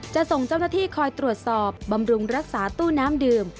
จะส่งเจ้าหน้าที่คอยตรวจสอบบำรุงรักษาตู้น้ำดื่ม